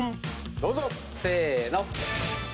どうぞ！せーの。